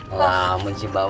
alamun si bama